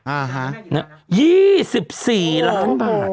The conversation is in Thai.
อ่าฮะนั่น๒๔ล้านบาท